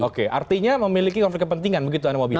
oke artinya memiliki conflict kepentingan begitu anda mau bilang